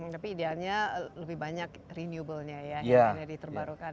tapi idealnya lebih banyak renewablenya ya yang akan diterbarukan